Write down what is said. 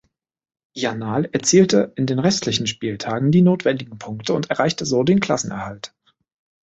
Yanal erzielte in den restlichen Spieltagen die notwendigen Punkte und erreichte so den Klassenerhalt.